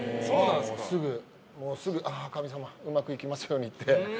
すぐ、ああ神様うまくいきますようにって。